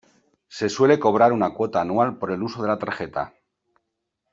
Se suele cobrar una cuota anual por el uso de la tarjeta.